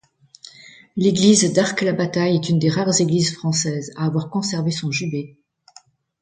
L'église d'Arques-la-Bataille est une des rares églises françaises à avoir conservé son jubé.